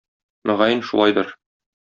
Мөгаен, шулайдыр.